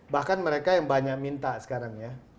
bahkan mereka yang banyak minta sekarang ya